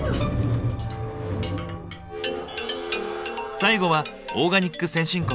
最後はオーガニック先進国